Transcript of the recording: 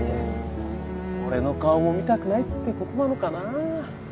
もう俺の顔も見たくないってことなのかな？